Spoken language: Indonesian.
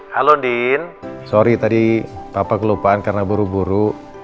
halo din sorry tadi papa kelupaan karena buru buru